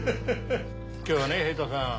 今日はね平太さん